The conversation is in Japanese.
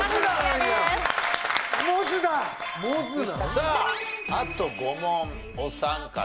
さああと５問お三方。